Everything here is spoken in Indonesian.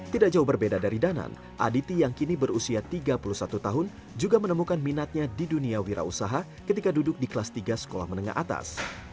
tidak jauh berbeda dari danan aditi yang kini berusia tiga puluh satu tahun juga menemukan minatnya di dunia wira usaha ketika duduk di kelas tiga sekolah menengah atas